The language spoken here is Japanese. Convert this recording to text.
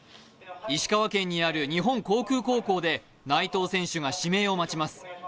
石川県にある日本航空高校で内藤選手が指名を待ちます。